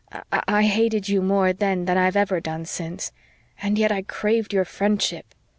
I I hated you more then than I've ever done since. And yet I craved your friendship.